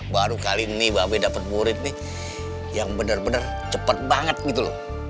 baru kali ini mba be dapet murid nih yang bener bener cepet banget gitu loh